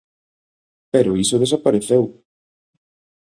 Pero iso desapareceu.